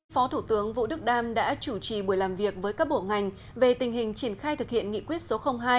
phó thủ tướng vũ đức đam đã chủ trì buổi làm việc với các bộ ngành về tình hình triển khai thực hiện nghị quyết số hai